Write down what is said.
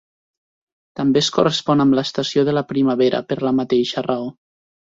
També es correspon amb l'estació de la primavera per la mateixa raó.